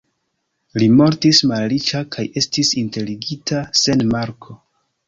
Li mortis malriĉa kaj estis enterigita sen marko.